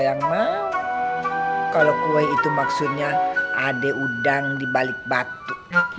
yang mau kalau itu maksudnya ada udang dibalik batu